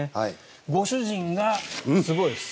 ご主人が、すごいです。